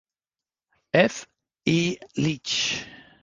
F. E. Leach.